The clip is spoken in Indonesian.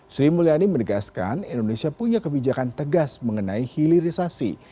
sri mulyani menegaskan indonesia punya kebijakan tegas mengenai hilirisasi